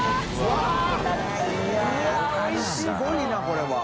すごいなこれは。